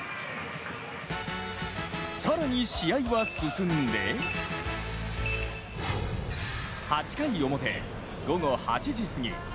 更に試合は進んで８回表、午後８時すぎ。